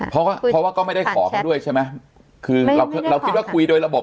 เพราะว่าเพราะว่าก็ไม่ได้ขอเขาด้วยใช่ไหมคือเราเราคิดว่าคุยโดยระบบ